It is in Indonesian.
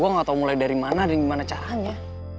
gue nggak tahu mulai dari mana dan gimana caranya